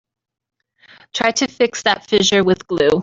Try to fix that fissure with glue.